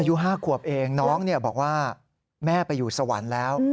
อายุ๕ขวบเองน้องบอกว่าแม่ไปอยู่สวรรค์แล้ว